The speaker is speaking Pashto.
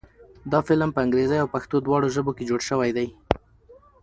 دا فلم په انګريزۍ او پښتو دواړو ژبو کښې جوړ شوے دے